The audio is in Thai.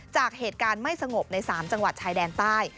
จากเหตุการณ์ไม่สงบใน๓จังหวัดชายแดนใต้